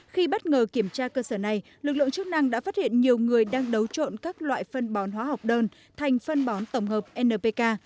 khi bất ngờ kiểm tra cơ sở này lực lượng chức năng đã phát hiện nhiều người đang đấu trộn các loại phân bón hóa học đơn thành phân bón tổng hợp npk